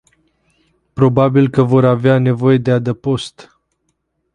Probabil că vor avea nevoie de adăpost.